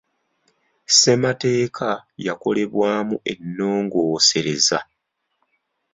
Ssemateeka yakolebwamu ennongoosereza.